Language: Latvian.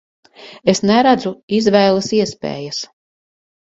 Es neredzu izvēles iespējas.